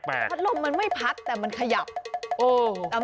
พัดลมมันไม่พัดแต่มันขยับ